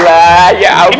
ustadz ajak saya ulan